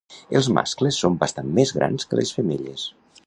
Els mascles són bastant més grans que les femelles.